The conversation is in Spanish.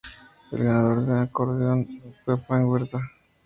El ganador en acordeón fue Frank Huerta.